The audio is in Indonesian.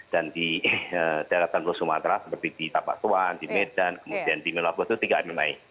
dan di daerah daerah sumatera seperti di tapak suwan di medan kemudian di melawapu itu tiga mmi